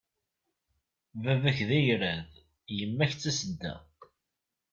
Baba-k d ayrad, yemma-k d tasedda.